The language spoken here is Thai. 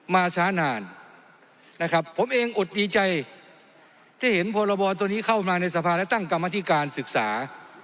มาช้านานนะครับผมเองอดดีใจที่เห็นพรบตัวนี้เข้ามาในสภาและตั้งกรรมธิการศึกษา